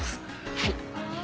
はい。